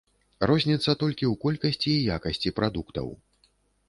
Розніца толькі ў колькасці і якасці прадуктаў.